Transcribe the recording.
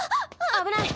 危ない！